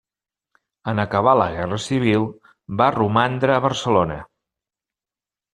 En acabar la guerra civil va romandre a Barcelona.